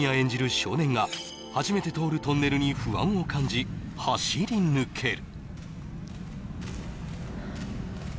少年が初めて通るトンネルに不安を感じ走り抜ける